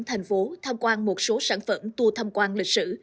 thành phố tham quan một số sản phẩm tour tham quan lịch sử